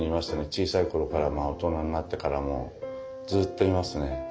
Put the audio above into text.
小さい頃からも大人になってからもずっといますね。